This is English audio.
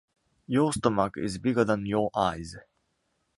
Your stomach is bigger than your eyes.